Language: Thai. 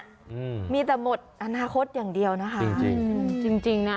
อืมมีแต่หมดอนาคตอย่างเดียวนะคะจริงจริงน่ะ